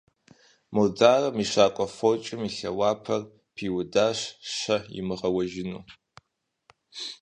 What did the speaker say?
Мударым и щакӀуэ фочым и лъэуапэр пиудащ шэ имыгъэуэжыну.